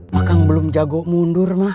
mak kang belum jago mundur mah